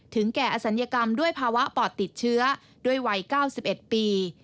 แก่อศัลยกรรมด้วยภาวะปอดติดเชื้อด้วยวัย๙๑ปี